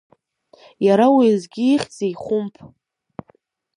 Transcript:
Иара уеизгьы ихьзеи Хәымԥ?